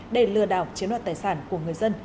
để lừa đảo chiếm đoạt tài sản của người dân